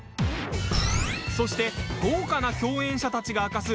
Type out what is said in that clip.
そして豪華な共演者たちが明かす